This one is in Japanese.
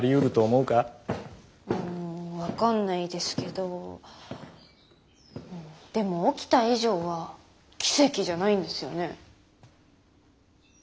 うん分かんないですけどでも起きた以上は奇跡じゃないんですよね。